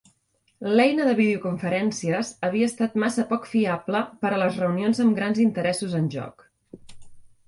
L'eina de videoconferències havia estat massa poc fiable per a les reunions amb grans interessos en joc.